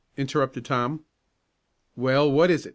interrupted Tom. "Well, what is it?"